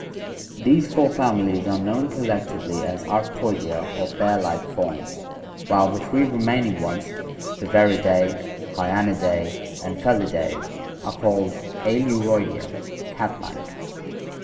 These four families are known collectively as Arctoidea or bear like forms, while the three remaining ones, Viverridac, Hyacnidae, and Felidae, are called iEluroidea (cat like).